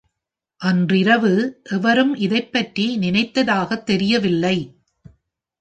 அன்றிரவு எவரும் இதைப் பற்றி நினைத்தாகத் தெரியவில்லை.